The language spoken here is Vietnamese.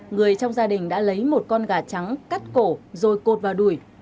người trong gia đình đã lấy một con gà trắng cắt cổ rồi cột vào đùi